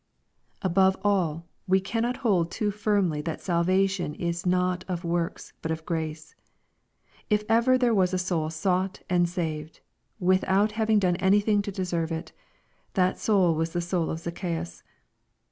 Above all, we cannot hold too firmly that salvation is not or works, but of grace. If ever there was a soul sought and saved, without having done anything to deserve it, that soul was the soul of Zacchasus.